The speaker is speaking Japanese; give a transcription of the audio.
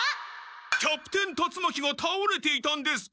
キャプテン達魔鬼がたおれていたんですか！？